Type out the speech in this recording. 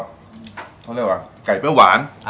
เขาเรียกว่าไก่เปรี้ยวหวาน